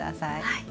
はい。